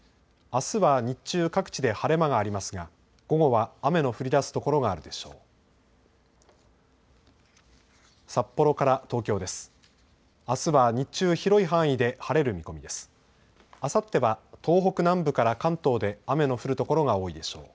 あすは日中、各地で晴れ間がありますが午後は雨の降りだす所があるでしょう。